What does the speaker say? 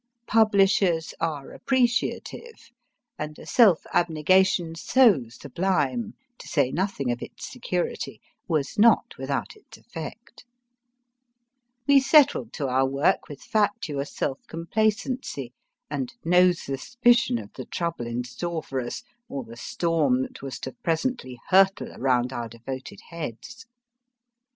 Publishers are appreciative ; and a self abnegation so sublime, to say nothing of its security, was not without its effect. WE SETTLED TO OUR WORK We settled to our work with fatuous self complacency, and no suspicion of the trouble in store for us, or the storm that was to presently hurtle around our devoted heads.